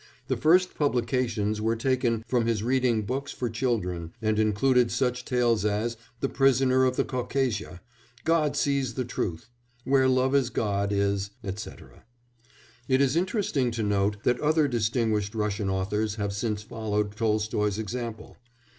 The first publications were taken from his reading books for children, and included such tales as The Prisoner of the Caucasia, God Sees the Truth, Where Love Is God Is, &c. It is interesting to note that other distinguished Russian authors have since followed Tolstoy's example.